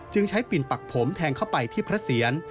ใช้ปิ่นปักผมแทงเข้าไปที่พระเสียร